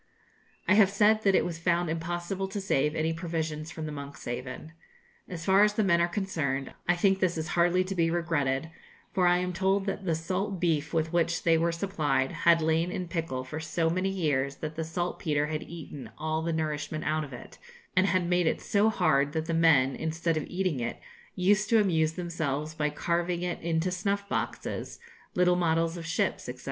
I have said that it was found impossible to save any provisions from the 'Monkshaven.' As far as the men are concerned, I think this is hardly to be regretted, for I am told that the salt beef with which they were supplied had lain in pickle for so many years that the saltpetre had eaten all the nourishment out of it, and had made it so hard that the men, instead of eating it, used to amuse themselves by carving it into snuff boxes, little models of ships, &c.